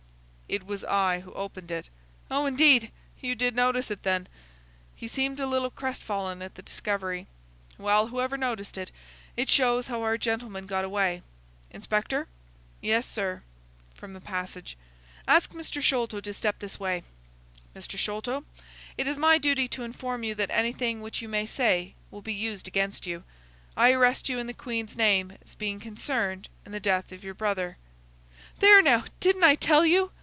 "It was I who opened it." "Oh, indeed! You did notice it, then?" He seemed a little crestfallen at the discovery. "Well, whoever noticed it, it shows how our gentleman got away. Inspector!" "Yes, sir," from the passage. "Ask Mr. Sholto to step this way.—Mr. Sholto, it is my duty to inform you that anything which you may say will be used against you. I arrest you in the Queen's name as being concerned in the death of your brother." "There, now! Didn't I tell you!"